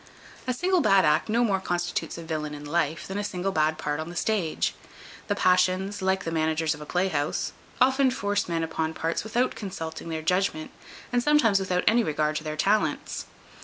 A single bad act no more constitutes a villain in life, than a single bad part on the stage. The passions, like the managers of a playhouse, often force men upon parts without consulting their judgment, and sometimes without any regard to their talents.